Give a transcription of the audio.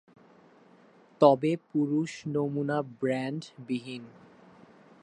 তবে পুরুষ নমুনা ব্রান্ড বিহীন।